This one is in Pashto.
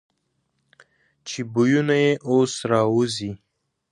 چې بویونه یې اوس را وځي.